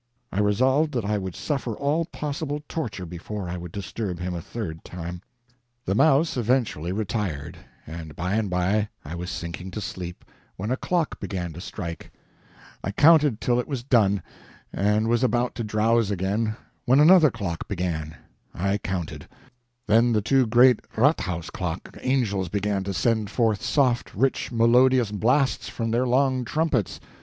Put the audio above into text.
I resolved that I would suffer all possible torture before I would disturb him a third time. The mouse eventually retired, and by and by I was sinking to sleep, when a clock began to strike; I counted till it was done, and was about to drowse again when another clock began; I counted; then the two great RATHHAUS clock angels began to send forth soft, rich, melodious blasts from their long trumpets.